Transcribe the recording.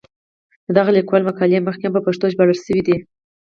د دغه لیکوال مقالې مخکې هم په پښتو ژباړل شوې دي.